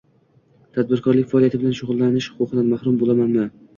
tadbirkorlik faoliyati bilan shug‘ullanish huquqidan mahrum bo‘lamanmi?